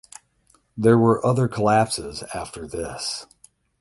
There were other collapses after this.